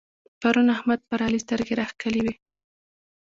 پرون احمد پر علي سترګې راکښلې وې.